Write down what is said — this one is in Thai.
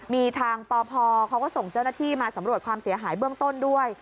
มีทางปพเขาก็ส่งเจ้าหน้าที่มาสำรวจความเสียหายเบื้องต้นด้วย